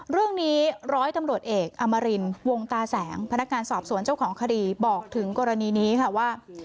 เรื่องนี้ร้อยตำรวจเอกอมรินวงตาแสงพนักงานสอบสวนเจ้าของคดีบอกถึงกรณีนี้ค่ะว่า